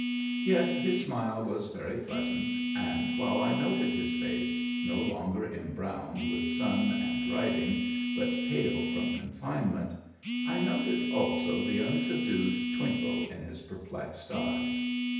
Yet his smile was very pleasant, and while I noted his face, no longer embrowned with sun and riding, but pale from confinement, I noted also the unsubdued twinkle in his perplexed eyes.